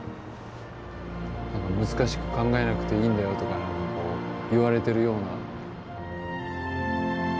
何か難しく考えなくていいんだよとか言われてるような。